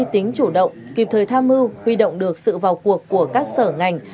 tính chủ động kịp thời tham mưu huy động được sự vào cuộc của các sở ngành